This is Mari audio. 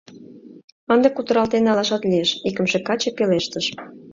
— Ынде кутыралтен налашат лиеш... — икымше каче пелештыш.